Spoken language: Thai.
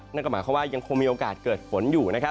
นั่นก็หมายความว่ายังคงมีโอกาสเกิดฝนอยู่นะครับ